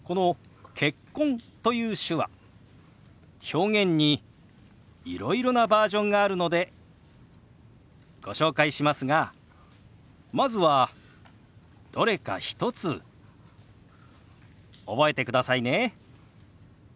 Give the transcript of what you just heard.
表現にいろいろなバージョンがあるのでご紹介しますがまずはどれか１つ覚えてくださいね。